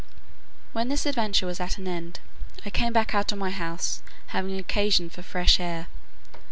When this adventure was at an end, I came back out of my house, having occasion for fresh air.